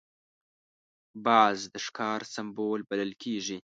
باز د ښکار سمبول بلل کېږي